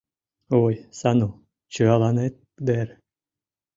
— Ой, Сану, чояланет дыр.